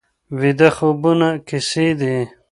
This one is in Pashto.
ویده خوبونه کیسې دي